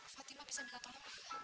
fatimah bisa menang atau apa